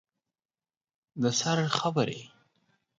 د سر خبرې